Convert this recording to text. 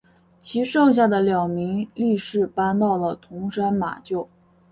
其剩下的两名力士搬到了桐山马厩。